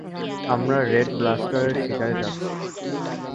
আমরা রেড ব্লাস্টারের শিকারে যাচ্ছি!